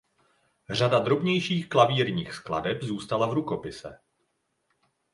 Řada drobnějších klavírních skladeb zůstala v rukopise.